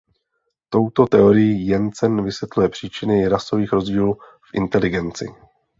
Touto teorií Jensen vysvětluje příčiny rasových rozdílů v inteligenci.